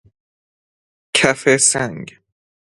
کف سنگ